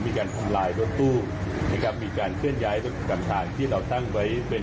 มีการคนลายรถตู้ครับมีการเคลื่อนใยตัวกับกรรมศาลที่เราตั้งไว้เป็น